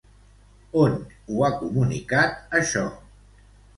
On ho ha comunicat, això?